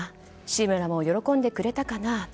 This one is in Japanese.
志村も喜んでくれたかな。